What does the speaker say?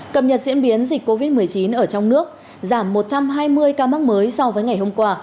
cập nhật diễn biến dịch covid một mươi chín ở trong nước giảm một trăm hai mươi ca mắc mới so với ngày hôm qua